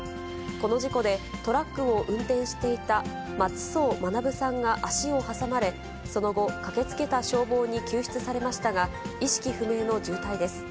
この事故で、トラックを運転していた松相学さんが足を挟まれ、その後、駆けつけた消防に救出されましたが、意識不明の重体です。